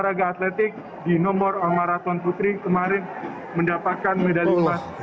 dan juga dari tim atletik di nomor marathon putri kemarin mendapatkan medali emas